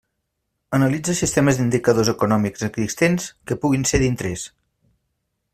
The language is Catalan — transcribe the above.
Analitza sistemes d'indicadors econòmics existents que puguin ser d'interès.